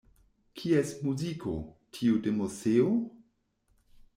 Kies muziko, tiu de Moseo?